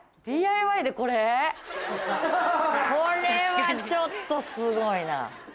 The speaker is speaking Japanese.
これはちょっとすごいな。